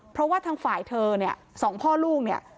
เพราะว่าทางฝ่ายเธอเนี่ยสองพ่อลูกเนี่ย